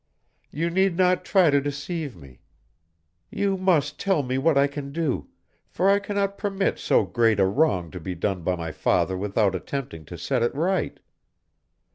You need not try to deceive me. You must tell me what I can do, for I cannot permit so great a wrong to be done by my father without attempting to set it right."